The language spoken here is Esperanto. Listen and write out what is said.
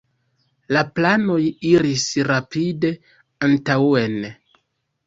La planoj iris rapide antaŭen.